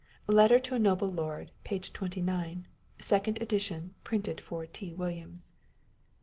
â€" Letter to a Noble Lord, p. 29, Second Edition, printed for T. Williams.